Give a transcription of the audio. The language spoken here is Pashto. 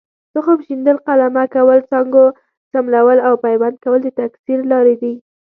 تخم شیندل، قلمه کول، څانګو څملول او پیوند کول د تکثیر لارې دي.